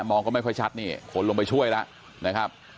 มองก็ไม่ค่อยชัดนี่คนลงไปช่วยแล้วนะครับ